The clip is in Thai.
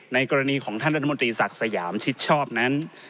ในกรณีของท่านรัฐมนตรีศักดิ์สยามชิดชอบนั้น